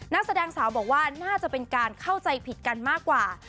นักแสดงสาวบอกว่าน่าจะเป็นการเข้าใจผิดกันมากกว่า